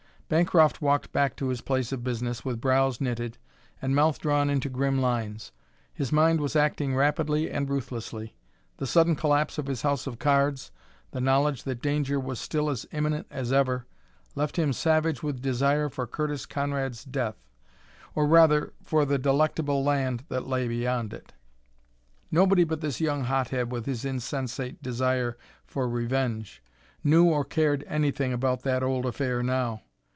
Bancroft walked back to his place of business with brows knitted and mouth drawn into grim lines. His mind was acting rapidly and ruthlessly. The sudden collapse of his house of cards, the knowledge that danger was still as imminent as ever, left him savage with desire for Curtis Conrad's death, or, rather, for the delectable land that lay beyond it. Nobody but this young hothead with his insensate desire for revenge knew or cared anything about that old affair now.